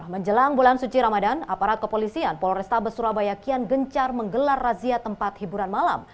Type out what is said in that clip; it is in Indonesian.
menjelang bulan suci ramadan aparat kepolisian polrestabes surabaya kian gencar menggelar razia tempat hiburan malam